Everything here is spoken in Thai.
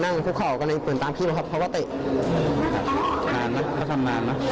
นั่งคู่เขากันในเปืนตามพี่แล้วก็เขาเตะ